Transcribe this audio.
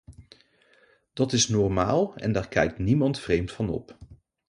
Dat is normaal en daar kijkt niemand vreemd van op.